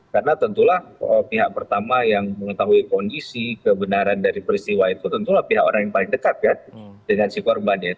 karena tentulah pihak pertama yang mengetahui kondisi kebenaran dari peristiwa itu tentulah pihak orang yang paling dekat dengan si korban